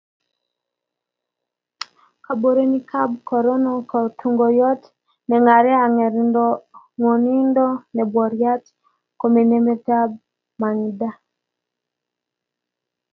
kaborunoikab korono ko tunguyot neang'er, ang'erindo ng'wonindo nebokwariat koaminmetak mang'dae